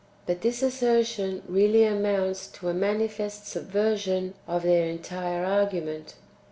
But this assertion really amounts to a manifest subversion of their entire argument.